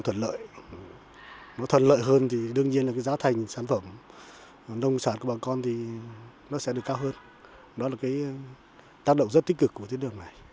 một mặt thuận lợi hơn thì đương nhiên là giá thành sản phẩm nông sản của bà con sẽ được cao hơn đó là tác động rất tích cực của tuyến đường này